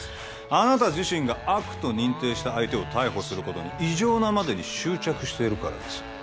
あなた自身が悪と認定した相手を逮捕することに異常なまでに執着しているからです